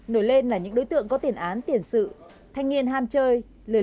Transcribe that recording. nổi lên là những đối tượng có tiền án tiền sự thanh niên ham chơi lời lao động